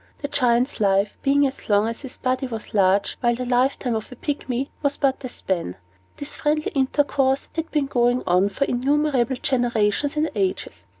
The Giant's life being as long as his body was large, while the lifetime of a Pygmy was but a span, this friendly intercourse had been going on for innumerable generations and ages.